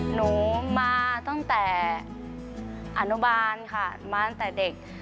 หนูมาตั้งแต่อนุบาลค่ะมาตั้งแต่เด็ก